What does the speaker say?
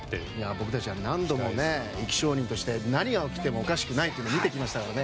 僕たちは何度も生き証人として何が起きてもおかしくないっていうのを見てましたからね。